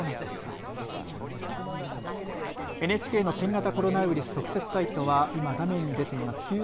ＮＨＫの新型コロナウイルス特設サイトは今、画面に出ています